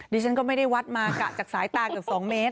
ดิฉันก็ไม่ได้วัดมากะจากสายตาเกือบ๒เมตร